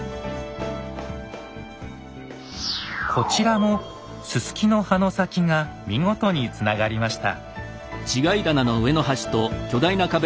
こちらもススキの葉の先が見事につながりました。